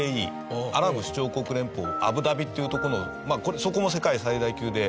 アラブ首長国連邦アブダビっていうとこのそこも世界最大級で。